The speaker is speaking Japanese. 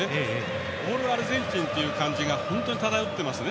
オールアルゼンチンという空気が漂っていますね。